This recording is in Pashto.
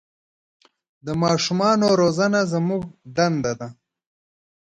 د ماشومان روزنه زموږ دنده ده.